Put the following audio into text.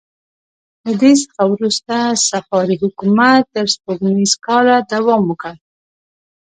له دې څخه وروسته صفاري حکومت تر سپوږمیز کاله دوام وکړ.